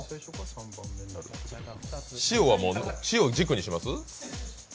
しおを軸にします？